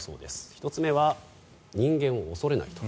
１つ目は人間を恐れないと。